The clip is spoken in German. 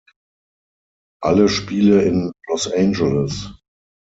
Alle Spiele in Los Angeles.